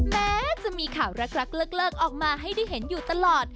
แม้จะมีข่าวรักเลิกออกมาให้ได้เห็นอยู่ตลอด